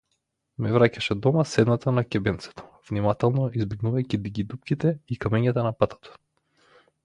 Ме враќаше дома седната на ќебенцето, внимателно избегнувајќи ги дупките и камењата на патот.